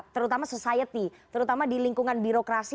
terutama society terutama di lingkungan birokrasi